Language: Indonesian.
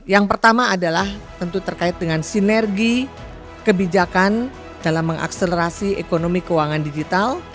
yang pertama adalah tentu terkait dengan sinergi kebijakan dalam mengakselerasi ekonomi keuangan digital